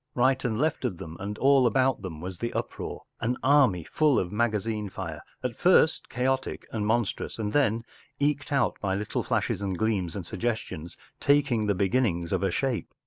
Right and left of them and all about them was the uproar, an army full of magazine fire, at first chaotic and monstrous and then, eked out by little flashes and gleams and sugges¬ tions, taking the beginnings of a shape.